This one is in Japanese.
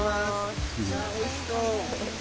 おいしそう！